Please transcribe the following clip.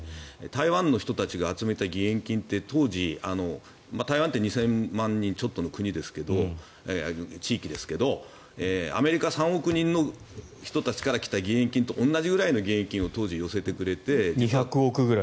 台湾の人たちが集めた義援金って当時、台湾って２０００万人ちょっとの地域ですがアメリカ３億人の人たちから来た義援金と同じくらいの義援金を２００億ぐらいですよね。